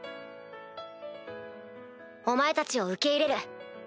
お前たちを受け入れる。